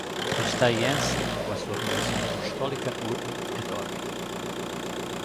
¡Está aí Ence coa súa bendición apostólica urbi et orbi!